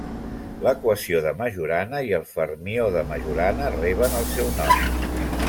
L'equació de Majorana i el fermió de Majorana reben el seu nom.